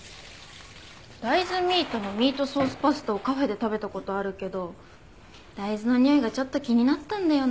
大豆ミートのミートソースパスタをカフェで食べた事あるけど大豆のにおいがちょっと気になったんだよなあ。